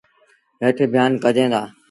هيٽ بيآݩ ڪجين دآ۔